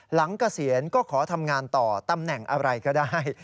เกษียณก็ขอทำงานต่อตำแหน่งอะไรก็ได้